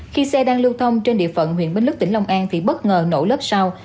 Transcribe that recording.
khi xe đang lưu thông trên địa phận huyện bến lức tỉnh long an thì bất ngờ nổ lớp sau